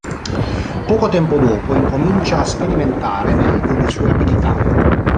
Poco tempo dopo, incomincia a sperimentare meglio le sue abilità.